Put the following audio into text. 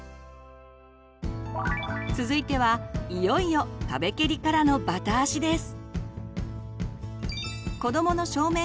続いてはいよいよ壁けりからのバタ足です。